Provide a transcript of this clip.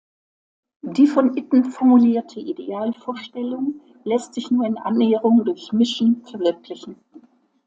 Die von Itten formulierte Idealvorstellung lässt sich nur in Annäherung durch Mischen verwirklichen.